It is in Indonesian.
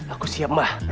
aku siap mbah